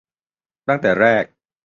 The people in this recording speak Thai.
ตั้งแต่แรก